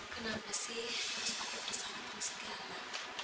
kenapa sih harus aku bersama kamu segala